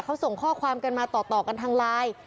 เขาส่งข้อความกันมาต่อกันทางไลน์